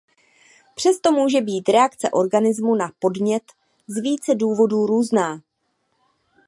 Přesto může být reakce organismu na podnět z více důvodů různá.